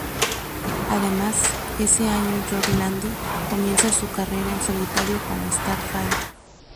Además, ese año Jørn Lande comienza su carrera en solitario con Starfire.